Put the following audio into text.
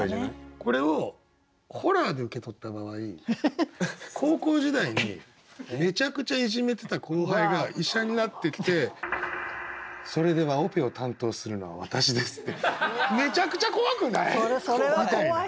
これをホラーで受け取った場合高校時代にめちゃくちゃいじめてた後輩が医者になって来て「それではオペを担当するのは私です」って「めちゃくちゃ怖くない？」